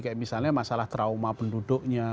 kayak misalnya masalah trauma penduduknya